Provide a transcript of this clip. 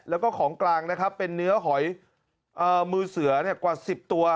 แล้วก็ของกลางนะครับเป็นเนื้อหอยมือเสือกว่า๑๐ตัว